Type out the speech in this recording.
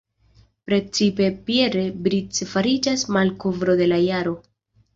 Precipe Pierre Brice fariĝas malkovro de la jaro.